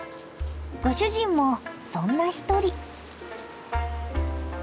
ご主人もそんな一人。